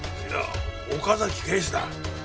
いや岡崎警視だ。